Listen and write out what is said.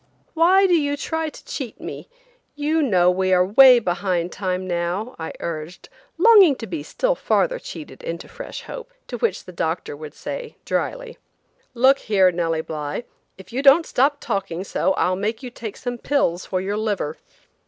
"Why do you try to cheat me? You know we are way behind time now," I urged, longing to be still farther cheated into fresh hope, to which the doctor would say, dryly: "Look here, Nellie Bly, if you don't stop talking so I'll make you take some pills for your liver."